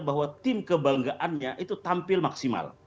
bahwa tim kebanggaannya itu tampil maksimal